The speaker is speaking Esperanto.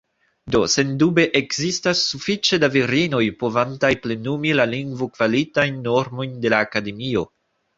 Do, sendube ekzistas ”sufiĉe da virinoj” povantaj plenumi la lingvokvalitajn normojn de la Akademio.